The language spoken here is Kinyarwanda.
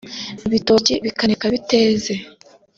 ibitoki bikaneka biteze